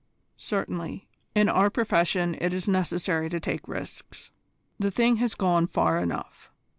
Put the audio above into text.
"Certainly. In our profession it is necessary to take risks. The thing has gone far enough.